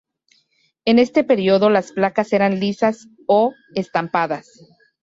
En este periodo las placas eran lisas o estampadas.